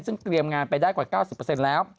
ซึ่งเตรียมงานไปได้กว่า๙๐แล้ว